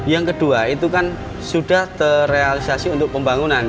yang kedua itu kan sudah terrealisasi untuk pembangunan